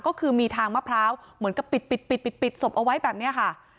ก็คือมีทางมะพร้าวเหมือนกับปิดปิดศพเอาไว้แบบนี้ค่ะ